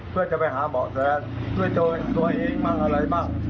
เพื่อจะไปหาเบาะแสด้วยตัวเองบ้างอะไรบ้าง